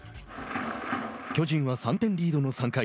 巨人は３点リードの３回。